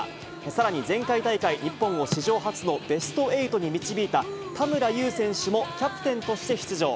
さらに前回大会、日本を史上初のベスト８に導いた、田村優選手もキャプテンとして出場。